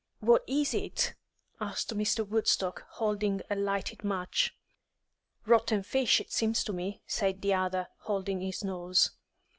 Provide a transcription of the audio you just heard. "What is it?" asked Mr. Woodstock, holding a lighted match. "Rotten fish, it seems to me," said the other, holding his nose.